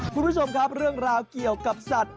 คุณผู้ชมครับเรื่องราวเกี่ยวกับสัตว์